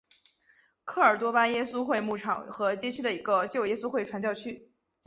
科尔多巴耶稣会牧场和街区的一个旧耶稣会传教区。